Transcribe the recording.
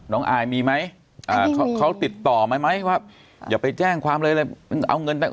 อายมีไหมเขาติดต่อไหมไหมว่าอย่าไปแจ้งความเลยเลยเอาเงินไป